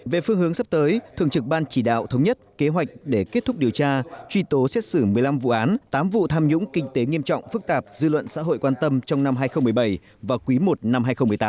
về phương hướng sắp tới thường trực ban chỉ đạo thống nhất kế hoạch để kết thúc điều tra truy tố xét xử một mươi năm vụ án tám vụ tham nhũng kinh tế nghiêm trọng phức tạp dư luận xã hội quan tâm trong năm hai nghìn một mươi bảy và quý i năm hai nghìn một mươi tám